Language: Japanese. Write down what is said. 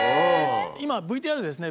今ＶＴＲでですね